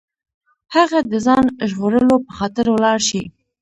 هغه د ځان ژغورلو په خاطر ولاړ شي.